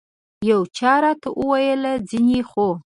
یو چا راته وویل ځینې خو.